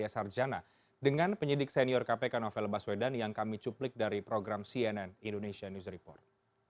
sarjana dengan penyidik senior kpk novel baswedan yang kami cuplik dari program cnn indonesia news report